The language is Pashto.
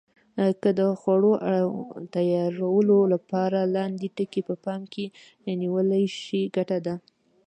که د خوړو تیارولو لپاره لاندې ټکي په پام کې ونیول شي ګټه ده.